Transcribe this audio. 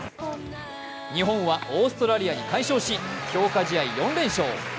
日本はオーストラリアに快勝し強化試合４連勝。